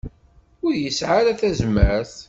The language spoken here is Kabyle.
Ur yesɛi ara tazmert.